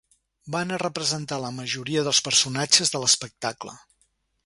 Van va representar la majoria dels personatges de l'espectacle.